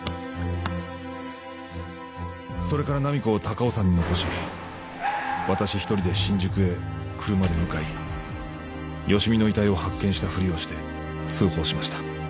それから菜実子を高尾山に残し私１人で新宿へ車で向かい芳美の遺体を発見したふりをして通報しました。